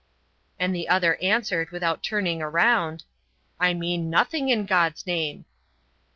And the other answered without turning round: "I mean nothing in God's name."